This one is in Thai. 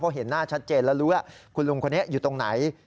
เห็นหน้าชัดเจนแล้วรู้ว่าคุณลุงคนนี้อยู่ตรงไหน